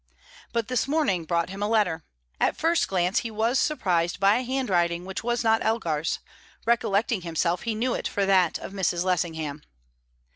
But this morning brought him a letter. At the first glance he was surprised by a handwriting which was not Elgar's; recollecting himself, he knew it for that of Mrs. Lessingham.